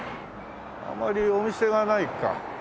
あまりお店がないか。